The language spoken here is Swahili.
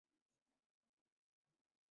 Hata wanaweza kuenea magonjwa, tauni hasa.